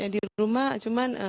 di rumah cuman